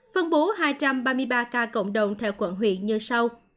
phân bố hai trăm ba mươi ba ca cộng đồng theo quận huyện như sau